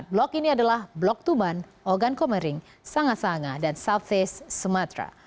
empat blok ini adalah blok tuman ogan komering sangasanga dan south face sumatra